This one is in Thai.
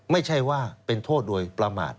ไม่ใช่ว่าเป็นโทษโดยประมาท